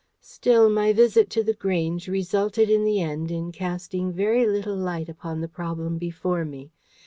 Still, my visit to The Grange resulted in the end in casting very little light upon the problem before me.